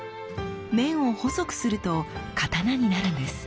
面を細くすると刀になるんです。